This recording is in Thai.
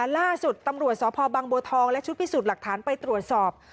ล่าสุดตำรวจสพบังบัวทองและชุดพิสูจน์หลักฐานไปตรวจสอบ